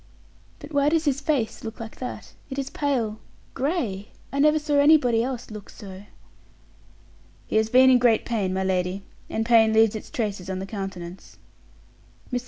"But why does his face look like that? It is pale gray; I never saw anybody else look so." "He has been in great pain, my lady, and pain leaves its traces on the countenance." Mr.